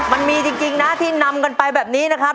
มันมีจริงนะที่นำกันไปแบบนี้นะครับ